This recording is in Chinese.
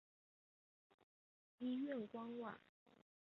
医院官网